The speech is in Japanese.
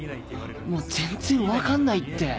もう全然分かんないって